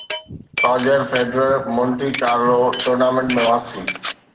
Roger Federer Monte Carlo tournament ۾ واپسي